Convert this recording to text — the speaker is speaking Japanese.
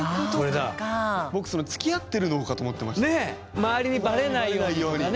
周りにバレないようにとかね。